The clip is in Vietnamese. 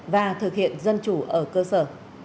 và thực hiện dân chủ ở cơ sở